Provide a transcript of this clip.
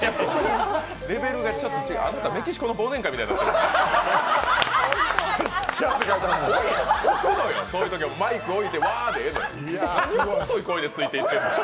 レベルがちょっと違うあんた、メキシコの忘年会みたいになってるから。